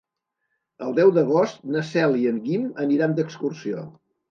El deu d'agost na Cel i en Guim aniran d'excursió.